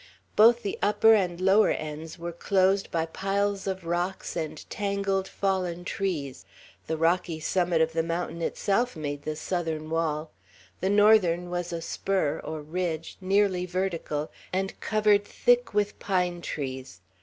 Both the upper and lower ends were closed by piles of rocks and tangled fallen trees; the rocky summit of the mountain itself made the southern wall; the northern was a spur, or ridge, nearly vertical, and covered thick with pine trees.